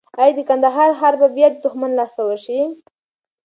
ایا د کندهار ښار به بیا د دښمن لاس ته ورشي؟